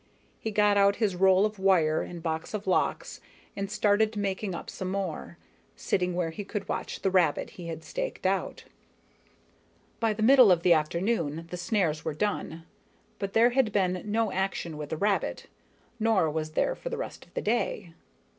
He got out his roll of wire and box of locks and started making up some more, sitting where he could watch the rabbit he had staked out. By the middle of the afternoon the snares were done, but there had been no action with the rabbit, nor was there for the rest of the day.